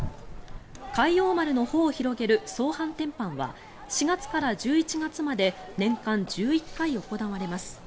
「海王丸」の帆を広げる総帆展帆は、４月から１１月まで年間１１回行われます。